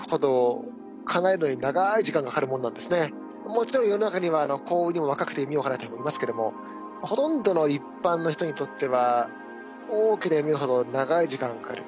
もちろん世の中には幸運にも若くて夢をかなえてる子もいますけどもほとんどの一般の人にとっては大きな夢ほど長い時間がかかる。